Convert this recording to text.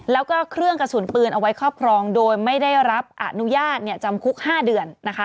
แล้วก็เครื่องกระสุนปืนเอาไว้ครอบครองโดยไม่ได้รับอนุญาตจำคุก๕เดือนนะคะ